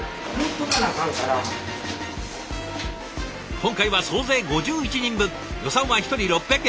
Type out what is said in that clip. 今回は総勢５１人分予算は１人６００円。